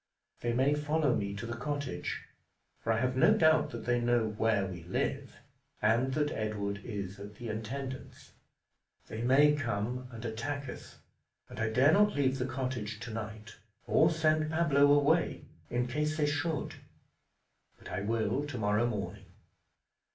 They may follow me to the cottage, for I have no doubt that they know where we live, and that Edward is at the intendant's. They may come and attack us, and I dare not leave the cottage tonight, or send Pablo away, in case they should; but I will tomorrow morning."